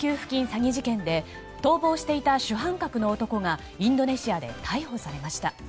詐欺事件で逃亡していた主犯格の男がインドネシアで逮捕されました。